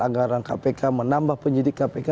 anggaran kpk menambah penyidik kpk